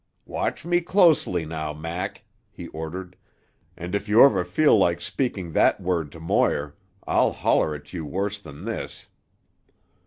"Watch me closely now, Mac," he ordered, "and if you ever feel like speaking that word to Moir, I'll holler at you worse than this."